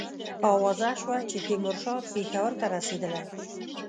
آوازه سوه چې تیمورشاه پېښور ته رسېدلی.